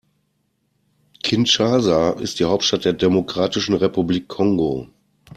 Kinshasa ist die Hauptstadt der Demokratischen Republik Kongo.